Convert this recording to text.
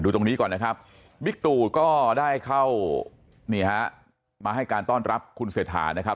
ตรงนี้ก่อนนะครับบิ๊กตูก็ได้เข้านี่ฮะมาให้การต้อนรับคุณเศรษฐานะครับ